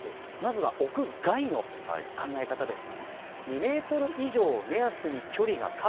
まずは屋外の考え方です。